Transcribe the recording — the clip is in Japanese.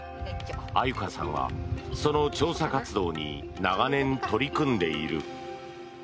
愛柚香さんはその調査活動に長年、取り組んでいる。